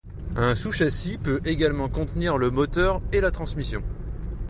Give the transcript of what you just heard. Un sous-châssis peut également contenir le moteur et la transmission.